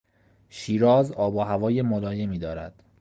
شیراز آب و هوای ملایمی دارد.